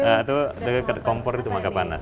itu dekat kompor itu maka panas